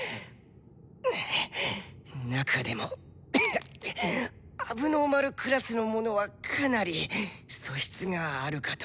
はあっ中でもゴホッ問題児クラスの者はかなり素質があるかと。